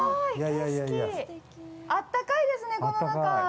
あったかいですね、この中。